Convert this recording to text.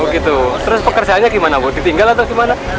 oh gitu terus pekerjaannya gimana bu ditinggal atau gimana